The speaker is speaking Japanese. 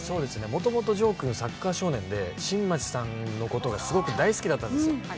もともと城君はサッカー少年で新町さんのことがすごく大好きだったんですよ。